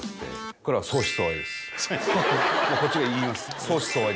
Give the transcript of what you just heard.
もうこっちが言います。